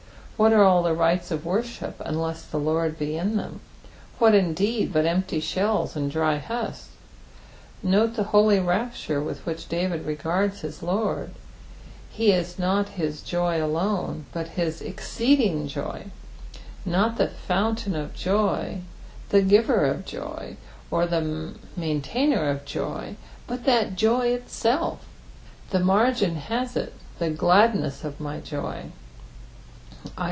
What are all the rites of worship unless the Lord be in them ; what, indeed, but empty ahells and dry huslia ? Kote the holy rapture with which David regards his Lord I Be is not his jojf alone, but his etreeding joy ; not the fountain of joy, the giver of joy, or the maiutainer of joy, but that joy itself. The margin hath it, " The KladneBS of my joy," *.